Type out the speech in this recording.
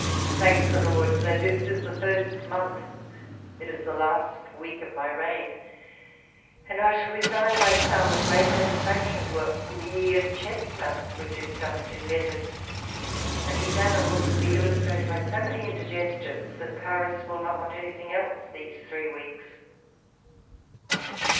Thank the lord ! though this is the first month, it is the last week of my reign ; and I shall resign my crown with great satisfaction to a bouillie of chestnuts, which is just invented, and whose annals will be illustrated by so many indigestions, that Paris will not want anything else these three weeks.